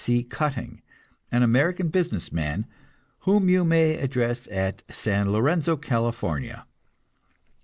C. Cutting, an American business man, whom you may address at San Lorenzo, California.